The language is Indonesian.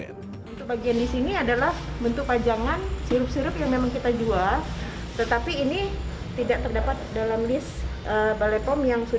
bagian di sini adalah bentuk pajangan sirup sirup yang memang kita jual